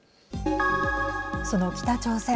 その北朝鮮。